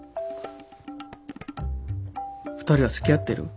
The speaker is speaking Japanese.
２人はつきあってる？